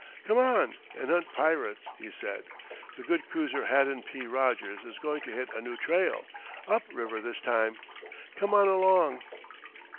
"Come on and hunt pirates," he said. "The good cruiser Haddon P. Rogers is going to hit a new trail up river this time. Come on along."